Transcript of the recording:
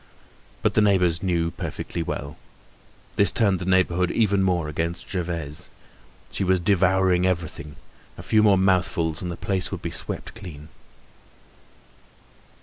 But the neighbors knew perfectly well. This turned the neighborhood even more against Gervaise. She was devouring everything; a few more mouthfuls and the place would be swept clean.